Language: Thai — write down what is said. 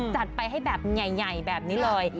จัดไปให้แบบใหญ่แบบนี้เลย